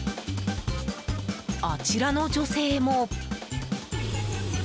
あちらの女性も。